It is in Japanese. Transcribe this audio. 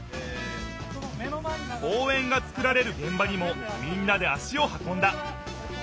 公園がつくられるげん場にもみんなで足をはこんだ。